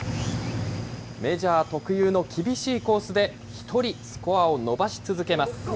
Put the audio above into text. メジャー特有の厳しいコースで１人、スコアを伸ばし続けます。